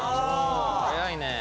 早いね。